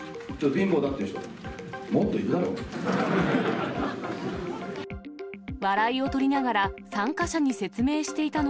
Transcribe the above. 貧乏だっていう人？